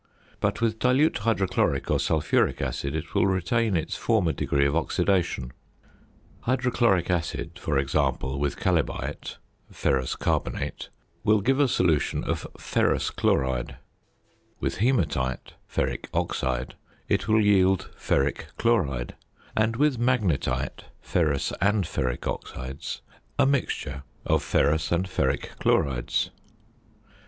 But with dilute hydrochloric or sulphuric acid it will retain its former degree of oxidation. Hydrochloric acid, for example, with chalybite (ferrous carbonate) will give a solution of ferrous chloride; with hæmatite (ferric oxide) it will yield ferric chloride; and with magnetite (ferrous and ferric oxides) a mixture of ferrous and ferric chlorides.